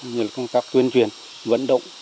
như là công tác tuyên truyền vận động